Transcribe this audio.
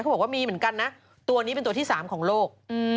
บอกว่ามีเหมือนกันนะตัวนี้เป็นตัวที่๓ของโลก